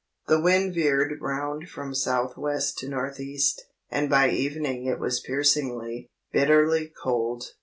The wind veered round from south west to north east; and by evening it was piercingly, bitterly cold.